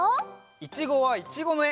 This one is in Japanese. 「いちごはいちご」のえ。